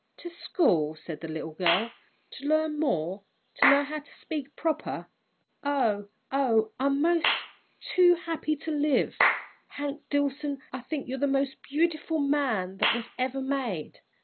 "To school!" said the little girl, "to learn more to know how to speak proper! Oh, oh, I'm mos' too happy to live! Hank Dillson, I think you're the mos' beautiful man that was ever made!"